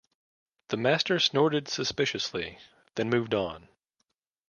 The master snorted suspiciously, then moved on.